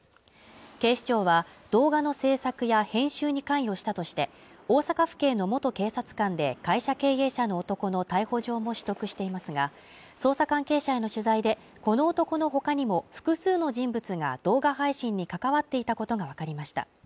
警視庁は動画の制作や編集に関与したとして、大阪府警の元警察官で会社経営者の男の逮捕状も取得していますが、捜査関係者への取材で、この男の他にも複数の人物が動画配信に関わっていたことがわかりました。